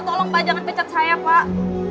tolong pak jangan pecat saya pak